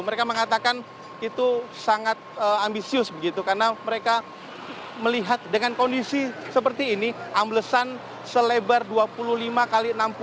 mereka mengatakan itu sangat ambisius begitu karena mereka melihat dengan kondisi seperti ini amblesan selebar dua puluh lima x enam puluh dengan kedalaman sedalam lima belas hingga dua puluh meter